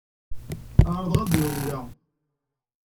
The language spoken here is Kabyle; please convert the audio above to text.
Ԑerḍeɣ ad rewleɣ.